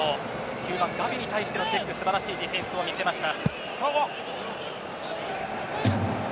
９番のガヴィに対しての素晴らしいディフェンスを見せました。